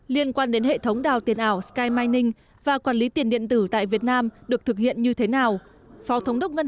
liên quan đến hệ thống đào tiền ảo sky mynning và quản lý tiền điện tử tại việt nam được thực hiện như thế nào